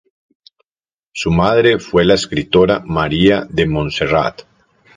Su madre fue la escritora María de Montserrat.